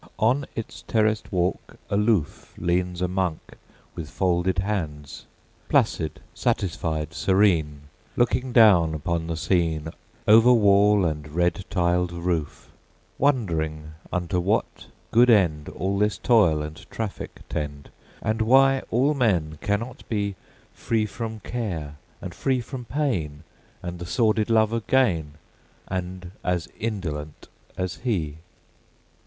On its terraced walk aloof Leans a monk with folded hands, Placid, satisfied, serene, Looking down upon the scene Over wall and red tiled roof; Wondering unto what good end All this toil and traffic tend, And why all men cannot be Free from care and free from pain, And the sordid love of gain, And as indolent as he.